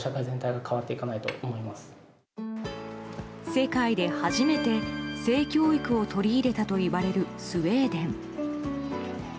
世界で初めて性教育を取り入れたといわれるスウェーデン。